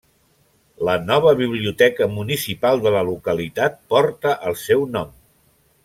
La nova biblioteca municipal de la localitat porta el seu nom.